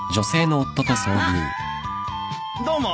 どうも。